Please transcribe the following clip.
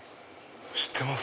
知ってます？